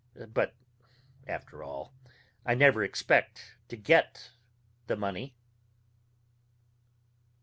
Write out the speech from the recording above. But after all, I never expect to get the money.